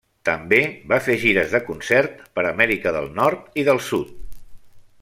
També va fer gires de concert per Amèrica del Nord i del Sud.